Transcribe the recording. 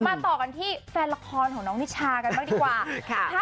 ต่อกันที่แฟนละครของน้องนิชากันบ้างดีกว่า